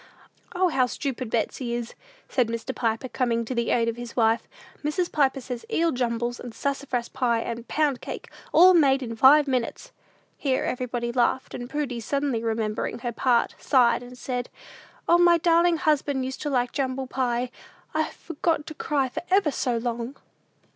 "O, how stupid Betsey is!" said Mr. Piper, coming to the aid of his wife. "Mrs. Piper says eel jumbles, and sassafras pie, and pound cake; all made in five minutes!" Here everybody laughed, and Prudy, suddenly remembering her part, sighed, and said, "O, my darlin' husband used to like jumble pie! I've forgot to cry for ever so long!"